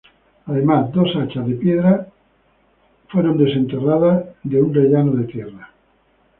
Además, dos hachas de piedra fueron desenterrados de un relleno de tierra.